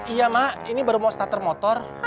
iya mak ini baru mau stater motor